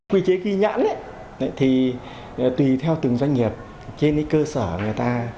quy chế ghi nhãn thì tùy theo từng doanh nghiệp trên cơ sở người ta